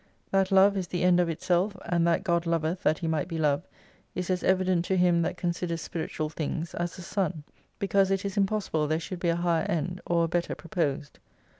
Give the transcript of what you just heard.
That Love is the end of itself, and that God loveth that He might be Love, is as evident to him that considers spiritual things, as the Sun. Because it is impossible there should be a higher end, or a better proposed.